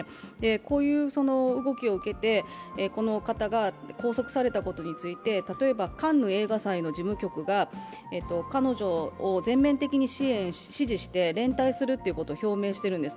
こういう動きを受けてこの方が拘束されたことについて、例えばカンヌ映画祭の事務局が彼女を全面的に支持して連帯するということを表明してるんです。